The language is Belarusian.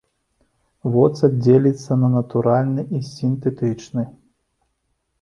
Воцат дзеліцца на натуральны і сінтэтычны.